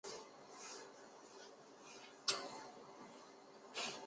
广州湾商会会址的历史年代为近代。